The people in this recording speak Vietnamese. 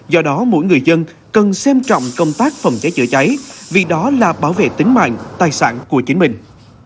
do đó mỗi người dân cần xem trọng công tác phòng cháy chữa cháy vì đó là bảo vệ tính mạng tài sản của chính mình